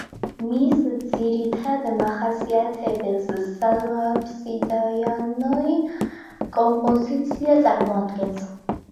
მის ძირითად მახასიათებელს სამაფსიდიანი კომპოზიცია წარმოადგენს.